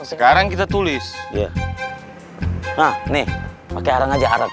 sekarang kita tulis ya nah nih pakai arang aja arang